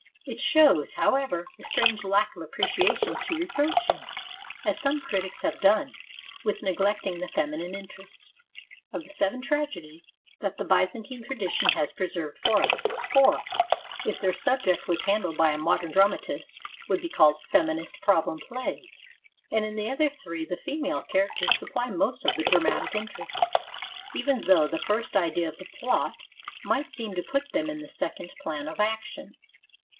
It shows, however, a strange lack of appreciation to reproach him, as some critics have done, with neglecting the feminine interest. Of the seven tragedies that the Byzantine tradition has preserved for us, four, if their subject was handled by a modern dramatist, would be called feminist problem plays, and in the other three the female characters supply most of the dramatic interest, even though the first idea of the plot might seem to put them in the second plan of action.